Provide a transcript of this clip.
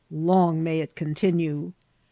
Long may it continue !